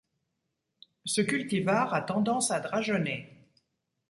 Ce cultivar a tendance à drageonner.